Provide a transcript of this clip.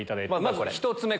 まず１つ目。